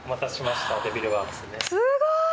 すごい！